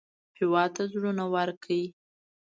هېواد ته زړونه ورکړئ